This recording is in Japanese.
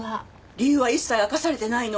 理由は一切明かされてないの。